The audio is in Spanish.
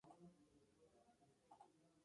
Enseñó arte a un joven Daniel Chester.